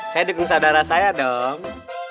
saya dukung saudara saya dong